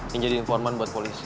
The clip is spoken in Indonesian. ini jadi informan buat polisi